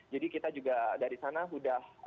jadi kita juga dari sana sudah